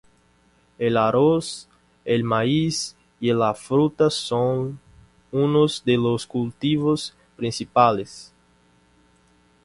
El arroz, el maíz y la fruta son unos de los cultivos principales.